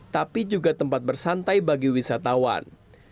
tapi juga tempat bersantai bagi wisatawan